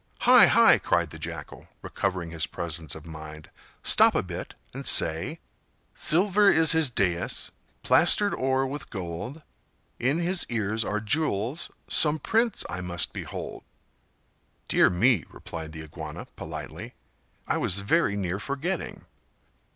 "Hi! hi!" cried the Jackal, recovering his presence of mind, "stop a bit, and say— 'Silver is his dais, plastered o'er with gold; In his ears are jewels,—some prince I must behold!'" "Dear me!" replied the Iguana, politely, "I was very near forgetting!